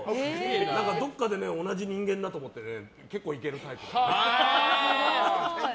どこかで同じ人間だと思って結構いけるタイプ。